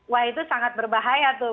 wah itu sangat berbahaya tuh